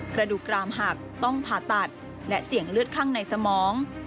กระดูกกรามหักต้องผ่าตัดและเสี่ยงเลือดข้างในสมอง